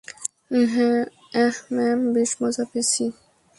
আহ, man, বেশ মজা পেয়েছি।